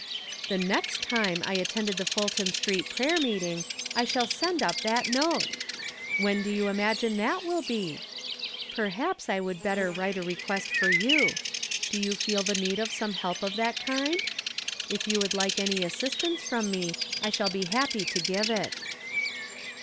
The next time I attend the Fulton Street prayer meeting I shall send up that note ! "When do you imagine that will be ? Perhaps I would better write a request for you. Do you feel the need of some help of that kind ? If you would like any assist ance from me, I shall be happy to give it.